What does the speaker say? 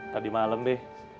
tadi malem be